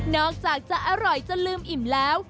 อกจากจะอร่อยจะลืมอิ่มแล้ว